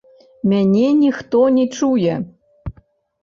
Мяне ніхто не чуе.